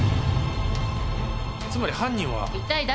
つまり犯人は。